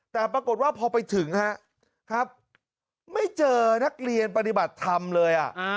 แต่ปรากฏว่าพอไปถึงครับไม่เจอนักเรียนปฏิบัติธรรมเลย